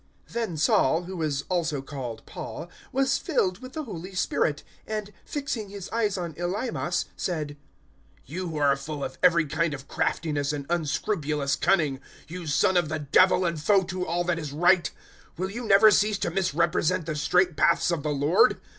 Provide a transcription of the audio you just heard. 013:009 Then Saul, who is also called Paul, was filled with the Holy Spirit, and, fixing his eyes on Elymas, 013:010 said, "You who are full of every kind of craftiness and unscrupulous cunning you son of the Devil and foe to all that is right will you never cease to misrepresent the straight paths of the Lord?